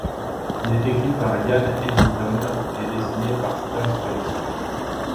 Il est écrit par Ian Edginton et dessiné Staz Johnson.